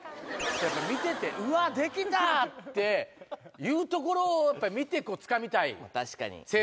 やっぱ見てて「うわできた！」っていうところを見て。